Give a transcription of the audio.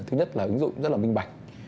thứ nhất là ứng dụng rất là minh bạch